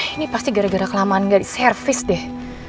ini pasti gara gara kelamaan gak di servis deh